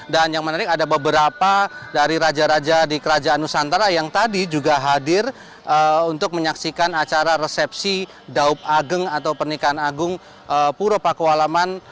dan yang menarik ada beberapa dari raja raja di kerajaan nusantara yang tadi juga hadir untuk menyaksikan acara resepsi daup ageng atau pernikahan agung purwakualaman